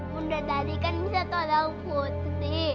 bunda dari kan bisa tolong putri